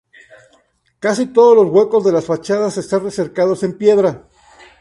Casi todos los huecos de las fachadas están recercados en piedra.